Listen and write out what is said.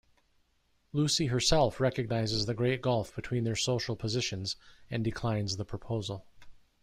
Lucy herself recognises the great gulf between their social positions and declines the proposal.